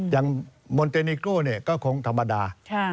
อย่างมนเตนิโก้ก็คงธรรมดา